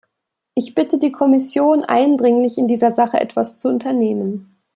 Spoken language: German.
Ich bitte die Kommission eindringlich, in dieser Sache etwas zu unternehmen.